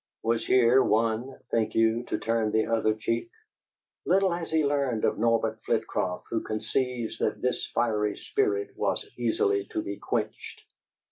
Was here one, think you, to turn the other cheek? Little has he learned of Norbert Flitcroft who conceives that this fiery spirit was easily to be quenched!